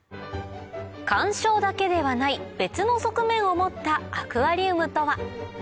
観賞だけではない別の側面を持ったアクアリウムとは？